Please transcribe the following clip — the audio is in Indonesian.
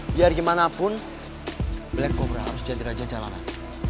biar gimanapun black cobra harus jadi raja jalanan